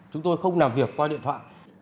chúng tôi không làm việc qua điện thoại